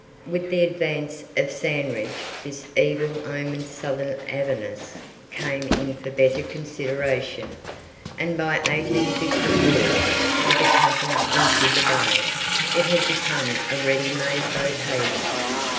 With the advance of Sandridge this evil omened southern Avernus came in for better consideration, and by 1854, with a cutting into the Bay, it had become a ready made boat haven.